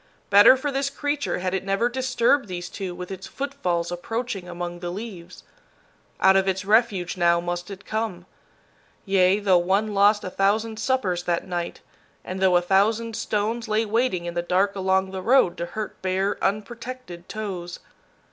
Better for this creature had it never disturbed these two with its footfalls approaching among the leaves. Out of its refuge now must it come. Yea, though one lost a thousand suppers that night, and though a thousand stones lay waiting in the dark along the road to hurt bare, unprotected toes.